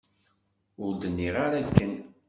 Ur d-nniɣ ara akken.